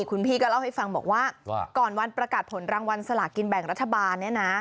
คุณพี่ก็เล่าให้ฟังบอกว่าก่อนวันประกาศผลรางวัลสลากินแบ่งรัฐบาลเนี่ยนะ